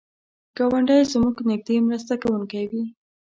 ګاونډی زموږ نږدې مرسته کوونکی وي